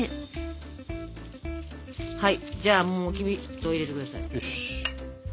はいじゃあもうきび糖入れてください。